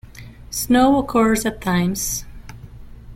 Snow occurs at times.